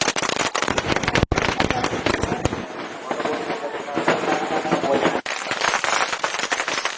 อย่าลงมาจากพุทธบาทนะครับ